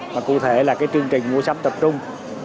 và cụ thể là cái chương trình mua sắm tập trung